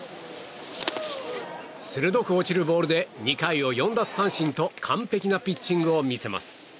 鋭く落ちるボールで２回を４奪三振と完璧なピッチングを見せます。